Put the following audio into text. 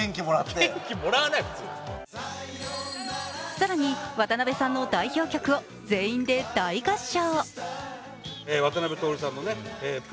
更に渡辺さんの代表曲を全員で大合唱。